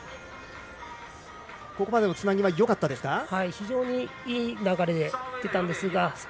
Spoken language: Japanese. ここまでのつなぎはよかったですか。